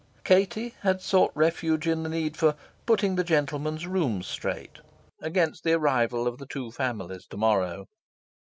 Katie had sought refuge in the need for "putting the gentlemen's rooms straight," against the arrival of the two families to morrow.